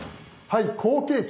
「好景気！